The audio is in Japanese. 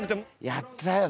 やったよ。